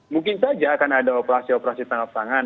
mungkin saja akan ada operasi operasi tangkap tangan